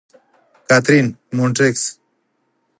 کاترین: مونټریکس.